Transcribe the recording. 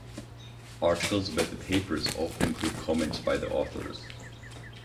Articles about the papers often include comments by the authors.